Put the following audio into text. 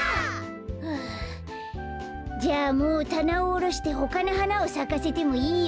はあじゃあもうたなをおろしてほかのはなをさかせてもいいよね。